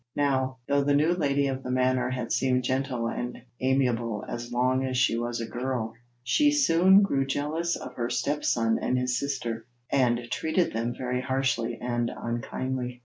Now, though the new lady of the manor had seemed gentle and amiable as long as she was a girl, she soon grew jealous of her stepson and his sister, and treated them very harshly and unkindly.